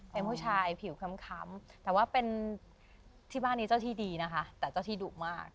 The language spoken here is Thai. เป็นผู้ชายผิวค้ำแต่ว่าเป็นที่บ้านนี้เจ้าที่ดีนะคะแต่เจ้าที่ดุมาก